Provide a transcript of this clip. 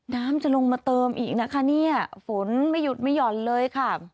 น้ำจะลงมาเติมอีกนะคะเนี่ยฝนไม่หยุดไม่หย่อนเลยค่ะ